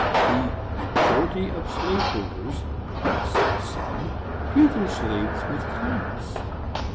The "majority of slave holders," say some, "treat their slaves with kindness."